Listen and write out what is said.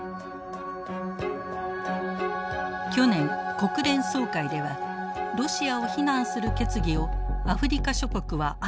去年国連総会ではロシアを非難する決議をアフリカ諸国は相次いで棄権。